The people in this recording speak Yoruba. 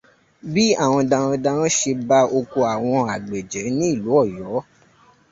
Bí àwọn Darandaran ṣe ba okò àwọn àgbẹ̀ jẹ́ ní ìlú Ọ̀yọ́.